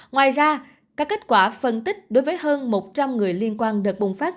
ngoài ra các kết quả phân tích đối với hơn một trăm linh người liên quan đợt bùng phát